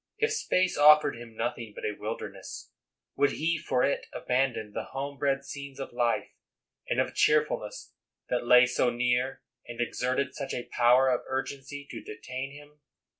If space offered him nothing but a wil derness, would he for it abandon the home bred scenes of life and of cheerfulness that lay so near and exerted such a power of urgency to detain him?